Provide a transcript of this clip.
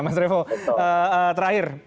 mas revo terakhir